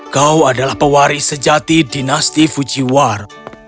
kau adalah pewaris sejati dinasti fujiwar